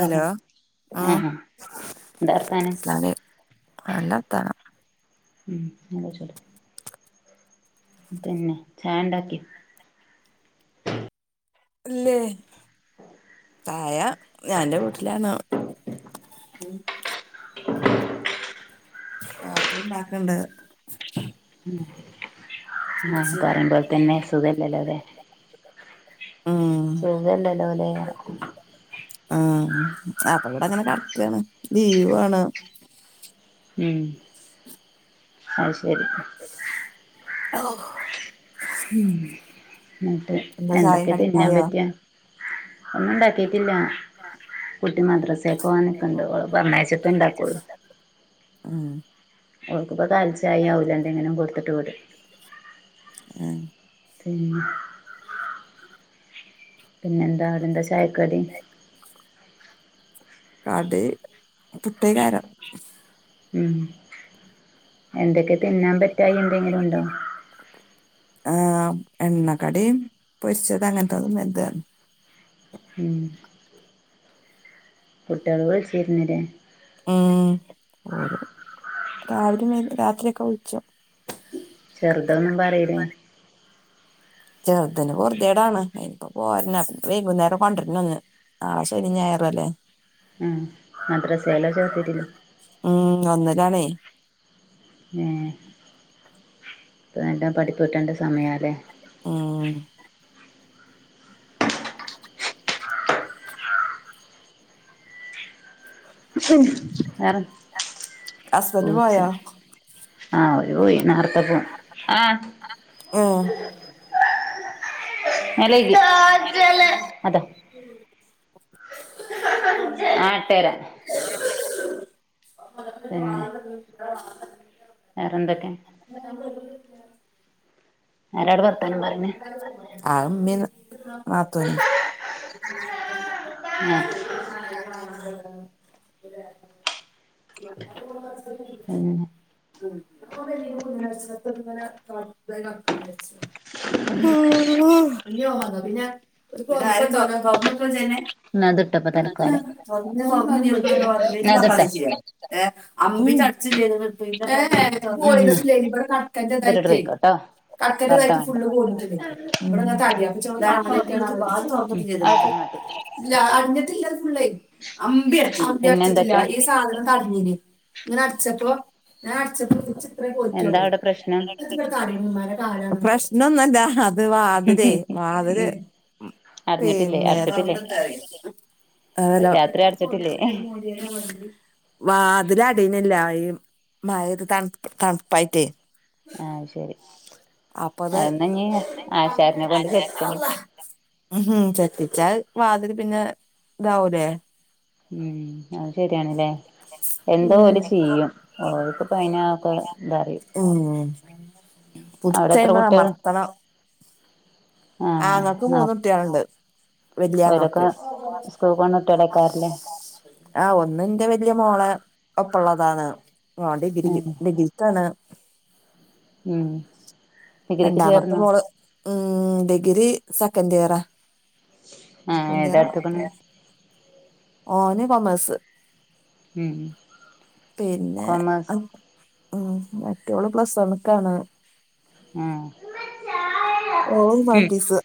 Hello ആഹ് എന്താ വർത്താനം അസ്സലാമുഅലെയ് നല്ല അർത്താനം ഉം നല്ല ചൂട് പിന്നെ ചായണ്ടാക്കി ഇല്ലേ ചായ ഞാൻന്റെ വീട്ടിലാണ് കാക്കുണ്ടാക്ക്ണ്ട് ഉം ആഹ് കുടിച്ച്. പറയുമ്പോൽതന്നെ സുഖല്ലല്ലോല്ലേ ഉം സൂഖല്ലല്ലോല്ലേ ആഹ് അപ്പൊവടെങ്ങനെ കടക്കാണ് ലീവാണ് ഉം അഹ് ശരി [unintelligible] ഉം എന്നട്ട് എന്താ ചായേം എന്തൊക്കെ കടിയൊക്കെ തിന്നാൻ ആയോ പറ്റ ഒന്നുണ്ടാക്കിയിട്ടില്ല കുട്ടി മദ്രസേക്കോവാൻ നിക്ക്ണ്ട് ഓളെ പറഞ്ഞയച്ചിട്ടേണ്ടാക്കുള്ളൂ ഉം ഓക്ക്പ്പ കാൽച്ചായി ഔല് എന്തെങ്കിലും കൊടുത്തിട്ട് വിടും ആഹ് പിന്നെ പിന്നെ എന്താഅവിടെന്താ ചായക്കടി കടി പുട്ടേക്കാരം ഉം എന്തൊക്കെ തിന്നാൻ പറ്റായി എന്തെങ്കിലും ഉണ്ടോ ആഹ് എണ്ണക്കടീം പൊരിച്ചത് അങ്ങൻത്തെതുന്നേര്താർഞ് ഉം കുട്ടിളോട് [unintelligible] ഉം രാവിലെ രാത്രിയ ഒക്കെ വിളിച്ചോ ചെറുതൊന്നും പറീലെ ചെറുത്ന് പൊർത്യേടാണ് അയിനിപ്പ പോര്ന വൈകുന്നേരം കൊണ്ടര്ന്നന്ന് നളെ ശനി ഞായറല്ലേ എഹ് മദ്രസേലോ ചേർത്തിട്ടില്ല ഉം ഒന്നിലാണേ ഏഹ് ഇപ്പ ല്ലോം പഠിപ്ട്ടേണ്ട സമയാല്ലേ ആഹ് [unintelligible] വേറെ ഹസ്ബൻഡ് പൂച്ച പോയോ ആവോ [unintelligible] പോയി നരത്തെ പോ ആഹ് ഓഹ് നല അതെ [unintelligible] ആഹ് [unintelligible] ഇട്ടേരാ തന്നെ [inaudible] വേറെന്തൊക്കെ ആരാടെ വർത്താനം പറയ്ണെ ആഹ് മ്മീം നാത്തൂനും [inaudible] [inaudible] പിന്നെ [inaudible] ഉം [inaudible] [unintelligible] [inaudible] ഇന്നാ ഇതിട്ടോ ഇപ്പൊ തൽക്കാലം ഇന്നാ ഇതിട്ടോ ഏഹ് അമ്മീ ചർച്ച ചെയ്തത് ആഹ് ഇന്നാ ഇതിട്ടിട്ട് പൊയ്ക്കോട്ടോ വെർതെ [unintelligible] വേണ്ട [inaudible] ഉം അത് ഇട്ട് ഇന്നാ ഇട്ട് ഇല്ല അഞ്ചത്തിന്റെട്ത്ണ്ട് അമ്പി അമ്പി പിന്നെ അടച്ചിട്ടില്ല എന്തൊക്കെ ഈ സാധനം തടഞ്ഞിഞ്ഞി ങ്ങനെ അടച്ചപ്പോ ഞാൻ അടച്ചപ്പോ വിച്ച ഇത്രേ എന്താ പോയിറ്റള്ളൂ അവിടെ പ്രശ്നം പ്രശ്നൊന്നുംല്ല. ഹാ അത് വാതിലെ വാതില് ഉം അടഞ്ഞിട്ടില്ലേ പിന്നെ, അടച്ചിട്ടില്ലേ അതലോ രാത്രി അടച്ചിട്ടില്ലേ [unintelligible] വാതില അടയണില്ല. മഴത് തണുപ്പ് തണുപ്പായിട്ടേ. ആ ശരി. അപ്പൊ അത് അതമ്മ ന്നി ആശാരിനെ കൊണ്ട് ചെത്തിച്ചണം. ഉ ഹം ചെത്തിച്ചാ വാതില് പിന്നെ ഇതാവൂലേ. ഉം അത് ശരിയാണല്ലേ. എന്തോ ഓല് ചെയ്യും. ഓൽക്ക പ്പ അയിനൊക്കെ ഇതറിയും. ഉം അവിടെ എത്ര പുടിച്ചയ്മ്പ കുട്ടികൾ അമർത്തണം. ആ ആഹ് ആങ്ങക്ക് ന മൂന്ന കുട്ടിയളുണ്ട് വല്യ ആങ്ങക്ക്. അങ്ങട്ടടക്കാറല്ലേ. ആ ഒന്ന് എന്റെ വലിയ മോളെ ഒപ്പള്ളതാണ്, ഡിഗ്രി ഉം ഡിഗ്രീക്കാണ്. ഉം ഡിഗ്രിക്ക് രണ്ടാമത്തെ ചേർന്നോ മോള് ഉം ഡിഗ്രി സെക്കൻഡ് ഇയറാ. ആഹ് ഏതാ എടുത്ത്ക്ക്ണ് ഓന് കൊമേഴസ്. ഉം പിന്നെ, കോമേഴ്സ് ഉം മറ്റൊള് പ്ലസ് വൺ ക്കാണ്. ഉം ഓളും ഉം. ഹുമാനിറ്റീസ്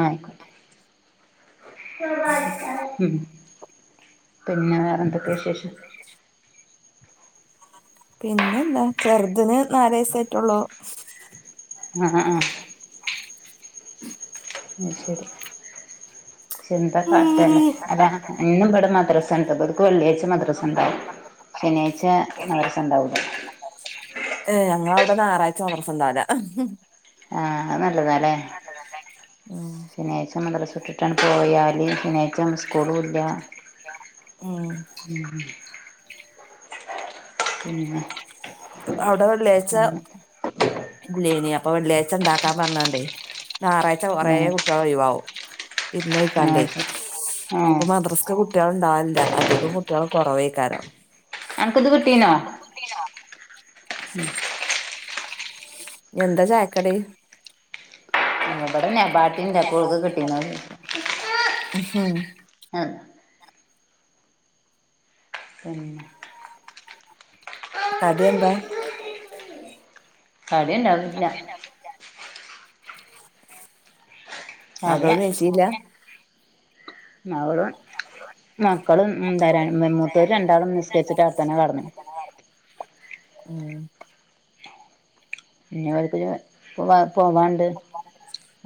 ആ. മം. പിന്നെ വേറെന്തൊക്കെ വിശേഷം? പിന്നെ എന്താ, ചെറുതിന് നാല് വയിസ് ആയിട്ടുള്ളൂ. ആഹ് ആ ആ. അത് ശരി. ശ്ന്താക്കാട്ടല്ലേ അല്ല ഇന്നു പെടും മദ്രസ [unintelligible] വെള്ളിയാഴ്ച മദ്രസണ്ടാവും, ശനിയാഴ്ച മദ്രസണ്ടാകുല. ഏ ഞങ്ങട അവട ഞാറാഴ്ച മദ്രസണ്ടാവില്ല. ആ അത് നല്ലതാല്ലേ. ഉം ശനിയാഴ്ച മദ്രസ വിട്ടിട്ടാണ് പോയാല് ശനിയാഴ്ചാബം സ്കൂളൂല്ല. ഉം. ഉം പിന്നെ അവിടെ വെള്ളിയാഴ്ച, ഇല്ലേനി. അപ്പൊ വെള്ളിയാഴ്ചാണ്ടാക്കാൻ പറഞ്ഞാണ്ടേ, ഞാറാഴ്ച്ച കൊറേ ഏ കു [unintelligible] കുട്ടികളണ്ടാവില്ല അധികം കുട്ടികൾ കുറവേക്കാരം. അനക്ക്ത് കിട്ടീനോ? എന്താ ചായക്കടി? ഇവിടെ നേബാത്തീ കിട്ടീന്ന ഉം ആഹ് പിന്നെ കടി എന്താ? അതെന്നെ അതന്നെ കടിയ മകേനെ നിഷേല്ല മകളും മക്കളും എന്താരൻ മുത്തൂര് രണ്ടാളും നിസ്കരിച്ചിട്ട് അടുത്തന്നെ കടന്നു. ഉം [unintelligible] പോവാ പോവാണ്ട്.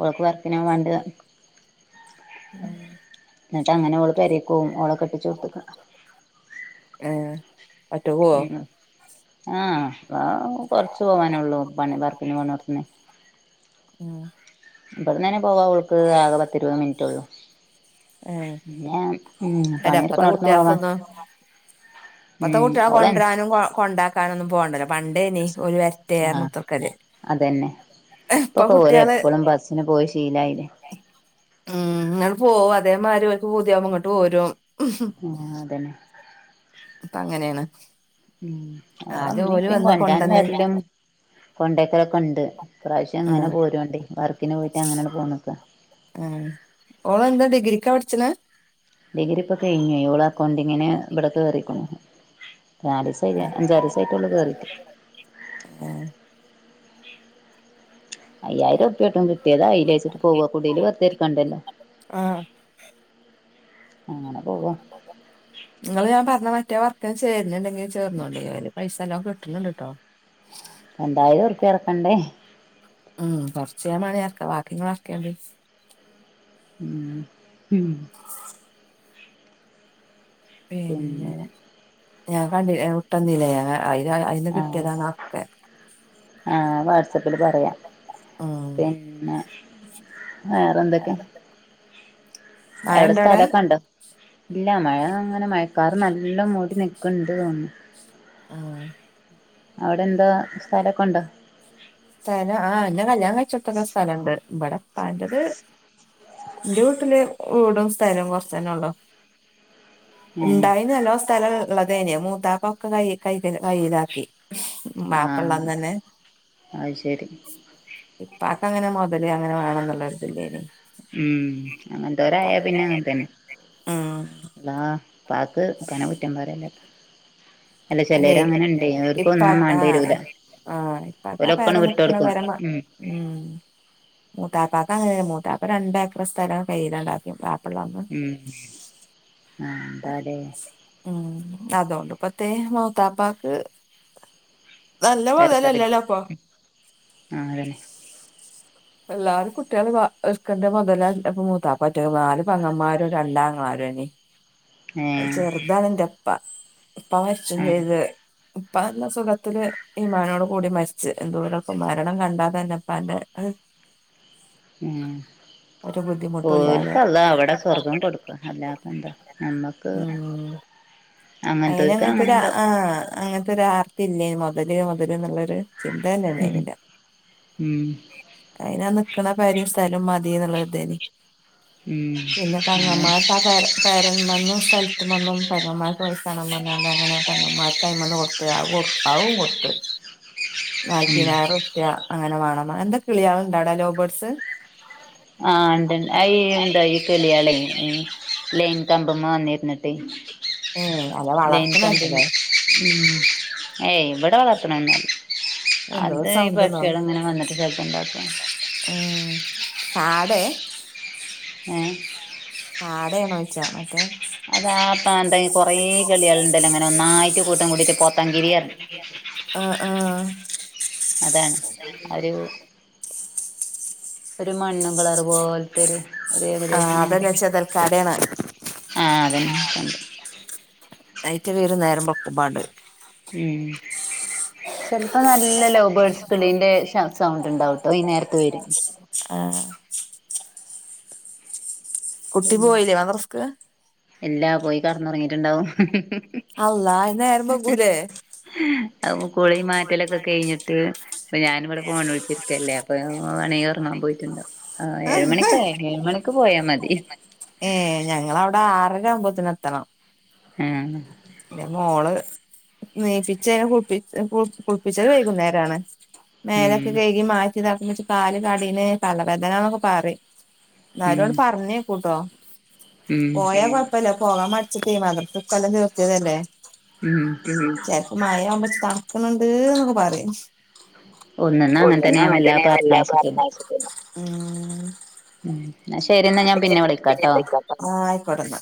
ഓൾക്ക് വർക്കിനോവാണ്ട്. എന്നിട്ട് അങ്ങനെ ഓള് പെരേക്ക് ഓവും. ഓളെ കെട്ടിച്ചോടുത്തേക്ക്. ഏഹ് ഉം ആഹ ആ കൊറച്ച് പോവാനേള്ളൂ, പണി വർക്കിന് പോണോടുത്തുന്നെ. ആ ഇവിടന്ന്ന്നെ പോവാ ഓൾക്ക് ആക പത്തിരുപത് മിനിറ്റേ ഉള്ളൂ. ഏഹ് പിന്നാ അല്ല അപ്പത്തെ കുട്ടികക്കൊന്നും, ഇപ്പത്തെ ഉം കുട്ടികൾ ഓളെ കൊണ്ടുരാനും കൊ കൊണ്ടാ ക്കാനൊന്നും പോണ്ടല്ല പണ്ടേനി ഒരു വര്റ്റെ അർഞ് ആഹ് ഉത്തർക്കല് അതന്നെ ഇപ്പൊ കുട്ട്യാള് പിന്നെ പോയി ശീലായില്ലേ ഉം ഇങ്ങൻ പോവും അതേമാരി ഓൽക്ക് പൂതിയാവുമ്പോ ഇങ്ങട്ട് പോരും ആഹ് അതന്നെ ഇപ്പ അങ്ങനെണ് ഉം അവളെ ഇമ്മിം ഇപ്പിം കൊന്റാൻ കൊണ്ടന്ന് വര്ലും കൊണ്ടേക്കലൊക്കെ ഇണ്ട് ഇപ്രാവശ്യം അങ്ങനെ ആഹ് പോരോണ്ടിം വർക്കിന് പോയിട്ട് അങ്ങനെൺ പോന്ന്ക്കാ ആഹ് ഓള്എന്താ ഡിഗ്രിക്കാ പഠിച്ച്ണ് ഡിഗ്രി ഇപ്പെ കഴിഞ്ഞേ. ഓള അക്കൗണ്ടിങ്ങിന് ഇവിടെ കേറിക്കണു. നാലിസം ആയി. അഞ്ചാറ്സടെയുള്ളൂ കേറിട്ട്. ഏഹ് അയ്യായിരം ഉറപ്പ്യെട്ടും കിട്ട്യാെതായില്ലേച്ചിട്ട് പോവാ കുടീല് വെർതെര്ക്കണ്ടല്ലോ [inaudible] ആഹ് അങ്ങന പോവാ ഇങ്ങള് ഞാൻ പറഞ്ഞ മറ്റേ വർക്ക്ന് ചേര്ന്ണ്ടെങ്കി ചേർന്നോണ്ടി അയിൽ പൈസ നല്ലോം കിട്ട്ണ് ട്ടോ രണ്ടായിരഉർപ്പ്യ അടക്കണ്ടേ ഉം കൊർച്ച് ഞാ മാണെങ്കി അർക്കാ വാക്കി ഇങ്ങള് അർക്ക്യാേണ്ടിം ഉം പിന്നെ ഞാൻ കണ്ടി ഞാവിട്ടന്നില്ലേ അ അയില് അ അയ്ന്ന് ആഹ് കിട്ട്യാതാണ് അഒക്കെ ആഹ് അഅ് വാട്സപ്പില്‌ പറയാം ഉം പിന്നെ വേറെന്തൊക്കെ എവ്ടെ മഴണ്ടോ അവിടെ സ്ഥലൊക്കെ ഇണ്ടോ ഇല്ല മഴ അങ്ങനെ മഴക്കാറ് നല്ലം മൂടി നിക്ക്ണ്ട് തോന്ന്ണ് ആഹ് അവ്ടെ എന്താ സ്ഥലൊക്കെ ഇണ്ടോ സ്ഥലം ആഹ് ഇന്റെ കല്യാണം കഴിച്ചാേട്ത്താെക്കെ സ്ഥലംണ്ട് ഇബടെപ്പാന്റെത് ഇന്റെ വീട്ട്ല് വീടും സ്ഥലൊം കൊറച്ചന്നെ ഒള്ളൂ ഏഹ് ഇണ്ടായിനു നല്ലോം സ്ഥലം ൾ ഇള്ളതേനി മൂത്താപ്പൊക്ക കൈ കയ്കൽ കയ്യിലാക്കി ആഹ് വാപ്പള്ളന്ന് തന്നെ അഅ്ശരി ഇപ്പാക്ക് അങ്ങനെ മാെതല് അങ്ങനെ വാണം ന്നുള്ളൊരുതില്ലേനി ഉം അങ്ങൻത്തോരായ പിന്നെ അങ്ങൻതന്നെ ഉം ആഹ് ഇപ്പാക്ക് അങ്ങനെ കുറ്റം പറയല അല്ല അല്ലേ ചെലര് അങ്ങനെ ഇണ്ടേ ഓര്ക്ക് ഒന്നും ഇപ്പാക്ക് ആ മാണ്ടരൂല ആ ഇപ്പാക്ക് ആ പെര ഓലക്കൺ നിക്ക്ണ വിട്ടൊട്ക്കും ഉം [inaudible] മൂത്താപ്പാക്ക് അങ്ങനെണ് മൂത്താപ്പ രണ്ടേഏക്കർ സ്ഥലം കയ്യിലാണ്ടാക്കി വാപ്പള്ള അന്ന് ഉം എന്താ ലേ ഉം അതോണ്ട് പത്തെ മൂത്താപ്പാക്ക് നല്ല തെര്ക്കടില്ല മൊതലല്ലല്ലോ ഇപ്പൊ ആഹ് അതന്നെ എല്ലാരും കുട്ടികള് വാ ഇട്ക്കണ്ടെ മൊതലാ റ്റക്ക് മൂത്താപ്പ ഒറ്റക് നാല് പെങ്ങമ്മാരും രണ്ടാ ആങ്ങളാരും ഏണീനി [inaudible] അയില് ചെർതാണ് ഇന്റപ്പാ പ്പാ മര്ച്ചും ആ ചെയ്ത് പ്പനല്ല സുഖത്തില് ഈമാനോട് കൂടി മര്ച്ച് എന്തൂരൊക്ക മരണം കണ്ടാതന്നെ ഇപ്പാന്റെ അഹ് ആഹ് ബുദ്ധിമുട്ടും ഇല്ലാതെ കൽക്കള്ളാ അവ്ടെ സ്വർഗം കൊടുക്കും അല്ലാപ്പന്താഎന്താ നമ്മക്ക് ഉം അയിന് അങ്ങനത്തോർക്ക് അങ്ങനെ അങ്ങനക്കൊരാ ഇണ്ടാവും ആഹ് അങ്ങത്തൊര ഒരാർത്തി ഇല്ലേന്‌ മൊതല് മൊതല് എന്ന്ള്ളൊര് ചിന്തന്നെ ഉം ഇണ്ടേയ്നില്ല ഉം അയിനാ നിക്ക്ണ പെരീം സ്ഥലും മതിന്ന്ള്ള ഒരു ഇതേനി ഉം പിന്നെ അങ്ങനെ പെങ്ങമാര്ക്ക് ആ പെര പെരമെന്നും സ്ഥലത്ത്‌മെന്നും പെരമെ പോഴ്സാണം പറഞ്ഞാണ്ട് അങ്ങനെക്കെ പെങ്ങമ്മാര്ക്ക് അയ്മന്ന് കൊട്ത്ത് അഅ് കാെട് അഅും കൊട്ത്ത് ഉം നാൽപ്പീനായിര ഉർപ്യ അങ്ങനെ വാണം പർ എന്താ കിള്യാള്ണ്ടവ്ടെ ലൗ ബേർഡ്സ് ആഹ് ഇണ്ട്ണ്ട് അഈ എന്താ കിള്യാളെ ഈ ലൈൻ കമ്പ് മ്മെ വന്നിര്ന്ന്ട്ടെ ഏഹ് അല്ല വളർത്ത്ണല്ലല്ലേ ഉം ഏയ് ഇവിടെ വളർത്തണംന്നല്ല എന്തോ അത് ഈ സൗണ്ട്ന്നോ പക്ഷികളിങ്ങനെ വന്നിട്ട് ചേർപ്പ് ണ്ടാക്ക ഉം പാടെ ആഹ് ആ അടയാണോഴിച്ചാ മറ്റേ അതാപ്പ എന്തെ കൊറേ കളികളുണ്ടല്ലോ അങ്ങനെ ഒന്നായിട്ട് കൂട്ടം കൂടിട്ട് പോത്തൻ കിരിറ ആഹ് ആഹ് അതാണ് ഒരു ഒരു മണ്ണും കളർ പോല പേര് ആഹ് ഒരേകദേശം അതന്നെ ങ്ങത്താ ചെതൽക്കാടയാണ് ആ അതന്നെ കണ്ട് നൈറ്റ് വേറ നേരം പൊപ്പുപാണ്ട് ഉം സ് [unintelligible] അപ്പൊ നല്ല ലോ ബേഡ്സ് കിളിന്റെ സൗണ്ട് ഉണ്ടാവ്ട്ടോ ഈ നേരത്ത് വരും. ആഹ് കുട്ടി പോയില്ലേ വന്ന റിസ്ക് എല്ലാ പോയി കടന്നുറങ്ങിയിട്ടുണ്ടാവും അല്ലാ അയ് നേരം ബൈഗുലെ അപ്പ കുളി മാറ്റലൊക്കെ കെയ്ഞ്ഞിട്ട് ഞാനിവ്ടെ ഫോൺ വിള്ച്ചിര്ക്കല്ലേ പ്പവാണെ ഒറങ്ങാൻ പോയിറ്റ്ണ്ടാവും ഏഴ് മണിക്ക് ഏഴ് മണിക്ക് പോയാ മതി ഏഹ് ഞങ്ങളവ്ടെ ആറര ആവുമ്പോത്തിന് എത്തണം ഉം പിന്നെ മോള് നീപ്പിച്ചെ ഞാ കുൾപ്പി കുൾ കുള്പ്പിച്ചേ വൈകുന്നേരാണ് മേലൊക്കെ ഉം കെഴ്കി മാറ്റിതക്കുന്നെച് കാല്കടീണ് തലവേതനാന്നൊക്കെ പറയും ഉം ന്നാലൊണ്ട് പറ്ഞ്ഞേക്കൂട്ടോ ഉം പോയാ കൊഴപ്പല്ല പോകാമടിച്ച്‌ട്ടേ മദ്രസ ഇക്കൊല്ലം ചേർതെതല്ലെ? ഉം ചെലപ്പൊ മഴാവുമ്പൊ തണ്ക്ക്ന്ന് ണ്ട്ന്നൊക്കെ പറിം ഒന്നന്ന് അങ്ങനെ തന്നെ കൊണ്ട്ന്നങ്ങട്ടെന്നെ ഞാൻ വല്ലാ വെല്ലാ പറഞ്ഞയച്ചിട്ടില്ല പർഞ്ഞയ്ച്ചിട്ടില്ല. ഉം ന്നാശെരിന്നാ ഞാംപിന്നെ വിളിക്കാട്ടോ, ആഹ് ആയിക്കോട്ടെന്നാ